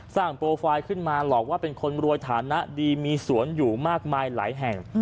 โปรไฟล์ขึ้นมาหลอกว่าเป็นคนรวยฐานะดีมีสวนอยู่มากมายหลายแห่ง